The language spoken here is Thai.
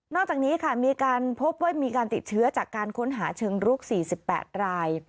จากนี้ค่ะมีการพบว่ามีการติดเชื้อจากการค้นหาเชิงรุก๔๘ราย